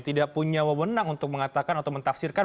tidak punya wewenang untuk mengatakan atau mentafsirkan